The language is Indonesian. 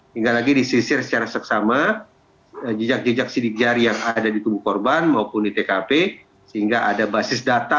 hingga lagi disisir secara seksama jejak jejak sidik jari yang ada di tubuh korban maupun di tkp sehingga ada basis data